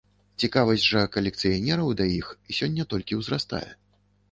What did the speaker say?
Цікавасць жа калекцыянераў да іх сёння толькі ўзрастае.